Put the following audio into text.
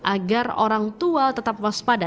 agar orang tua tetap waspada